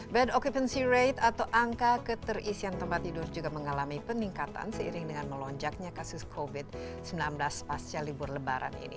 bed occupancy rate atau angka keterisian tempat tidur juga mengalami peningkatan seiring dengan melonjaknya kasus covid sembilan belas pasca libur lebaran ini